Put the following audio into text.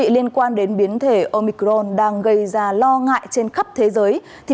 liên quan đến biến thể omicron đang gây ra lo ngại trên khắp thế giới